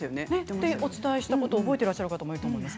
ってお伝えしたことを覚えてらっしゃる方もいると思います。